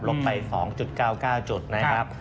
ไป๒๙๙จุดนะครับ